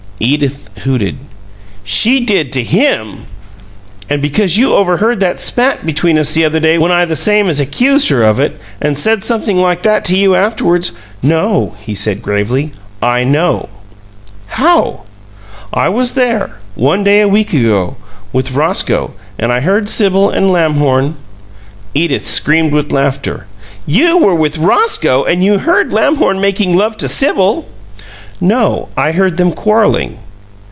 Edith hooted. "SHE did to HIM! And because you overheard that spat between us the other day when I the same as accused her of it, and said something like that to you afterward " "No," he said, gravely. "I KNOW." "How?" "I was there, one day a week ago, with Roscoe, and I heard Sibyl and Lamhorn " Edith screamed with laughter. "You were with ROSCOE and you heard Lamhorn making love to Sibyl!" "No. I heard them quarreling."